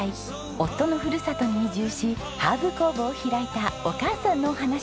夫のふるさとに移住しハーブ工房を開いたお母さんのお話。